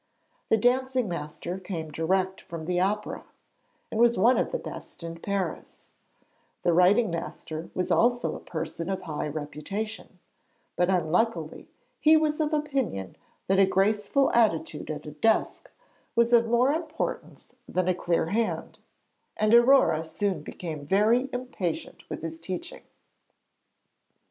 The dancing master came direct from the opera, and was one of the best in Paris; the writing master was also a person of high reputation, but unluckily he was of opinion that a graceful attitude at a desk was of more importance than a clear hand, and Aurore soon became very impatient with his teaching.